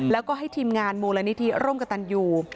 แล้วก็ให้ทีมงานมูลนิธิร่มกับตันยู